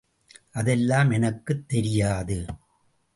அதெல்லாம் எனக்குத் தெரியாது.